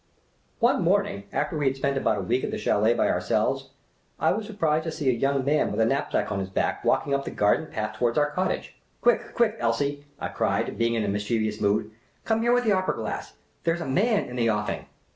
One morning, after we had spent about a week at the chdld by ourselves, I was surprised to see a young man with a knapsack on his back walking up the garden path towards our cottage. " Quick, quick, Elsie !" I cried, being in a mischievous mood. " Come here with the opera glass ! There 's a Man in the offing